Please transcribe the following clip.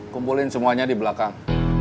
kumpulin semuanya di belakang